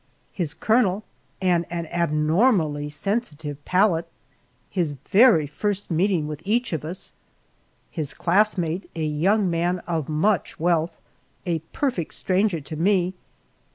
His colonel and an abnormally sensitive palate his very first meeting with each of us. His classmate, a young man of much wealth a perfect stranger to me.